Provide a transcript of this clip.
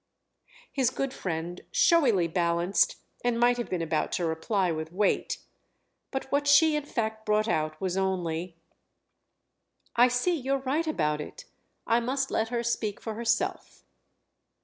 His good friend showily balanced and might have been about to reply with weight; but what she in fact brought out was only: "I see you're right about it: I must let her speak for herself."